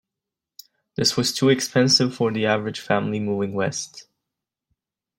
This was too expensive for the average family moving west.